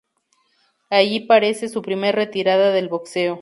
Ahí aparece su primer retirada del boxeo.